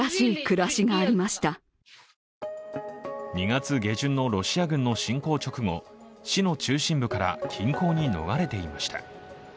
２月下旬のロシア軍の侵攻直後市の中心部から近郊に逃れていました。